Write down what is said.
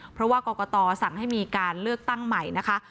เพราะว่ากรกตสั่งให้มีการเลือกตั้งใหม่นะคะ